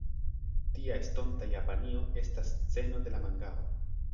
Tia estonta Japanio estas sceno de la mangao.